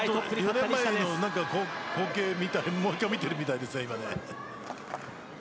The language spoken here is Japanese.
４年前の光景をもう１回見ているみたいですよね。